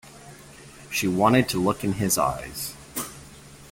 She wanted to look in his eyes.